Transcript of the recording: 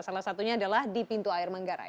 salah satunya adalah di pintu air manggarai